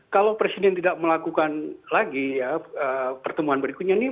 kalau presiden tidak melakukan lagi pertemuan berikutnya ini